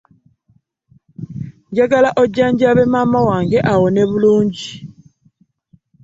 Njagala ojanjabe maama wange awone bulungi.